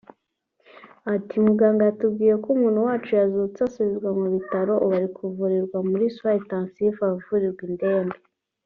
Ati “ Muganga yatubwiye ko umuntu wacu yazutse asubizwa mu bitaro […] Ubu ari kuvurirwa muri Soins Intensif(ahavurirwa indembe)